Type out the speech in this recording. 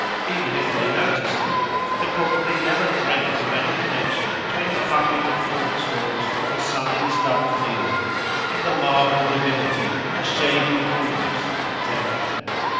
Even if they noticed them, they probably never dreamed of any connexion between the puppet of corn stalks on the sunny stubble field and the marble divinity in the shady coolness of the temple.